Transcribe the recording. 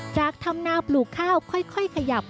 ทำนาปลูกข้าวค่อยขยับ